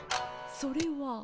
それは？